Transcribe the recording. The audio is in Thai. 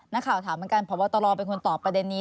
นักข่าวถามเหมือนกันพบตรเป็นคนตอบประเด็นนี้